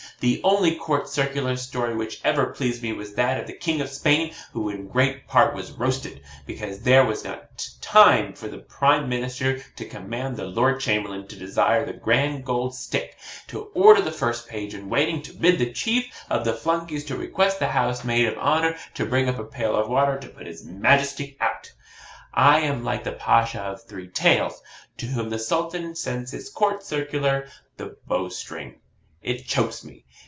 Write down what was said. The only COURT CIRCULAR story which ever pleased me, was that of the King of Spain, who in great part was roasted, because there was not time for the Prime Minister to command the Lord Chamberlain to desire the Grand Gold Stick to order the first page in waiting to bid the chief of the flunkeys to request the House maid of Honour to bring up a pail of water to put his Majesty out. I am like the Pasha of three tails, to whom the Sultan sends HIS COURT CIRCULAR, the bowstring. It CHOKES me.